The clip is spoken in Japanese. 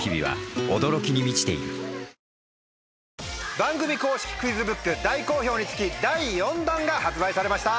番組公式クイズブック大好評につき第４弾が発売されました。